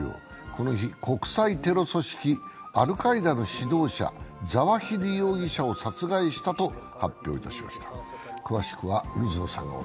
この日、国際テロ組織、アルカイダの指導者、ザワヒリ容疑者を殺害したと発表いたしました。